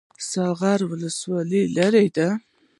ساغر ولسوالۍ لیرې ده؟